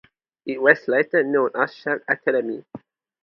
It was later known as Shadd Academy.